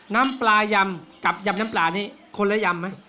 น้ำปลายำกับยำน้ำปลานี้คนละยำไหม